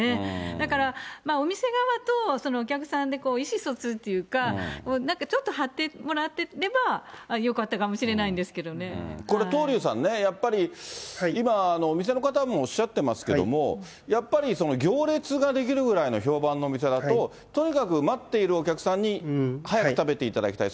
だから、お店側とお客さんで意思疎通というか、なんかちょっと貼ってもらってればよかったかもしれないんですけこれ、東龍さんね、やっぱり今、お店の方もおっしゃってますけども、やっぱり行列が出来るぐらいの評判のお店だと、とにかく待っているお客さんに早く食べていただきたい。